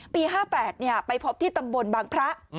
ปี๕๘ไปพบที่ตำบลบางพระ